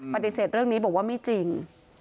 ปฏิเสธเรื่องนี้บอกว่าไม่จริง